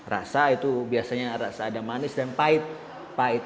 rasa itu biasanya rasa ada manis dan pahit